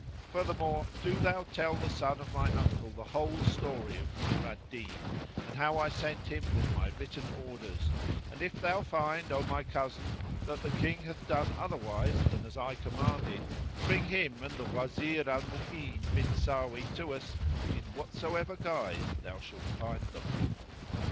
Furthermore, do thou tell the son of my uncle the whole story of Nur al Din, and how I sent him with my written orders; and if thou find, O my cousin,[FN#76] that the King hath done otherwise than as I commanded, bring him and the Wazir Al Mu'ín bin Sáwí to us in whatsoever guise thou shalt find them."